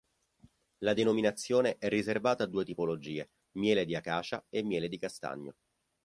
La denominazione è riservata a due tipologie: miele di acacia e miele di castagno.